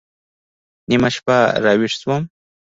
نيمه شپه راويښ سوم.